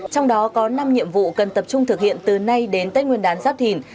trong đó có năm nhiệm vụ cần tập trung thực hiện từ nay đến tết nguyên đán giáp thìn